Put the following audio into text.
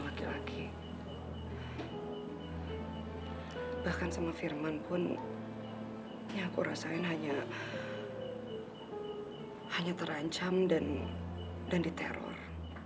laki laki bahkan sama firman pun ya aku rasain hanya terancam dan diteror